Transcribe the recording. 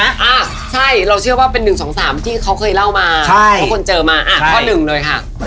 อ่ะใช่เราเชื่อว่าเป็น๑๒๓ที่เค้าเคยเล่ามาทุกคนเจอมาข้อ๑เลยค่ะ